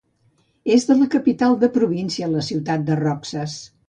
És de la capital de província, la ciutat de Roxas.